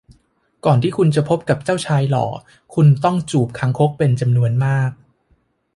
ก่อนที่คุณจะพบกับเจ้าชายหล่อคุณต้องจูบคางคกเป็นจำนวนมาก